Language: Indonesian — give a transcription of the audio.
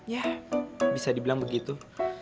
ya bisa dibilang begitu